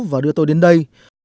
và đưa tôi đến đây